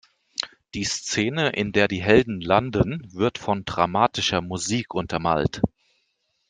Die Szene, in der die Helden landen, wird von dramatischer Musik untermalt.